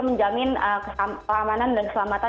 menjamin keamanan dan keselamatan